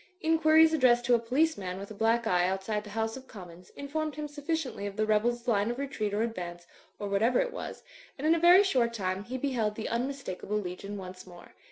Inquiries addressed to a police man with a black eye outside the House of Commons informed him sufficiently of the rebels' line of retreat or advance, or whatever it was; and in a very short time he beheld the unmistakable legion once more.